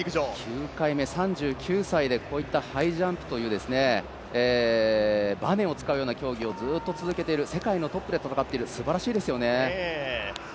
９回目、３９歳でこういったハイジャンプといったバネを使うような競技をずっと続けている、世界のトップで戦っている、すばらしいですね。